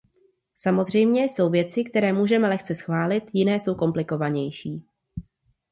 Samozřejmě, jsou věci, které můžeme lehce schválit, jiné jsou komplikovanější.